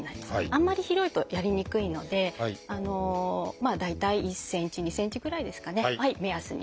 あんまり広いとやりにくいのでまあ大体１ｃｍ２ｃｍぐらいですかね目安にやってください。